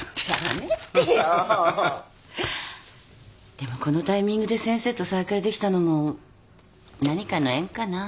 でもこのタイミングで先生と再会できたのも何かの縁かな。